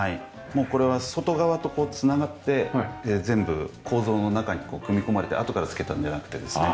もうこれは外側とつながって全部構造の中に組み込まれてあとから付けたんじゃなくてですね。